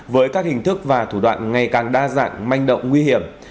với các hình thức và thủ đoạn ngày càng đa dạng manh động nguy hiểm